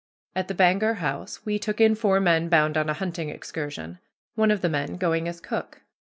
At the Bangor House we took in four men bound on a hunting excursion, one of the men going as cook.